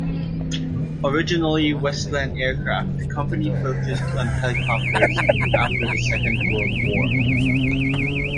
Originally Westland Aircraft, the company focused on helicopters after the Second World War.